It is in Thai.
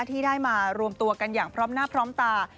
ที่ได้มารวมตัวกันอย่างพร้อมหน้าพร้อมตา